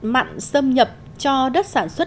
mặn xâm nhập cho đất sản xuất